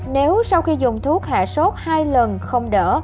nếu sau khi dùng thuốc hạ sốt hai lần không đỡ